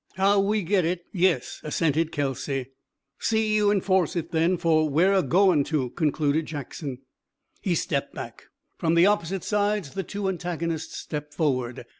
"How we get it, yes," assented Kelsey. "See you enforce it then, fer we're a goin' to," concluded Jackson. He stepped back. From the opposite sides the two antagonists stepped forward.